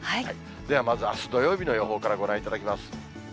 ではまずあす土曜日の予報からご覧いただきます。